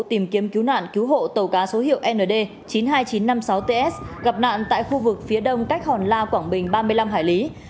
tìm kiếm cứu nạn cứu hộ tàu cá số hiệu nd chín mươi hai nghìn chín trăm năm mươi sáu ts gặp nạn tại khu vực phía đông cách hòn la quảng bình ba mươi năm hải lý